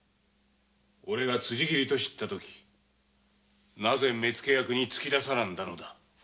おれが辻斬りと知ったときなぜ目付け役に突き出さなんだのだ？